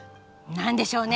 何でしょうね？